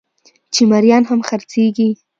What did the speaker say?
چې مريان هم خرڅېږي